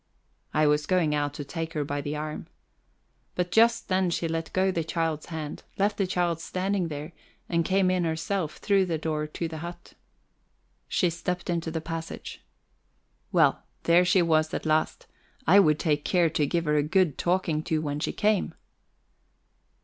I was going out to take her by the arm. But just then she let go the child's hand, left the child standing there, and came in herself, through the door to the hut. She stepped into the passage. Well, there she was at last; I would take care to give her a good talking to when she came!